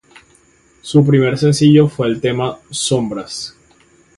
Su primer sencillo, fue el tema ""Sombras...